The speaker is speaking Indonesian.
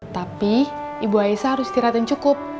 tapi ibu aisyah harus tiratin cukup